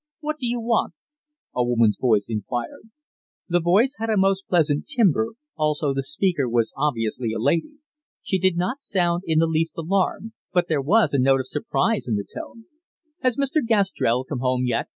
"What do you want?" a woman's voice inquired. The voice had a most pleasant timbre; also the speaker was obviously a lady. She did not sound in the least alarmed, but there was a note of surprise in the tone. "Has Mr. Gastrell come home yet?"